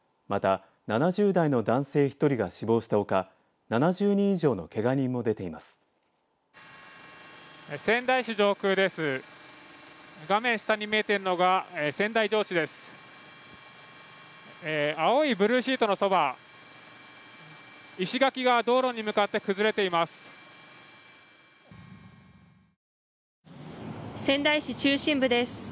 また、７０代の男性１人が死亡したほか７０人以上のけが人も出ています。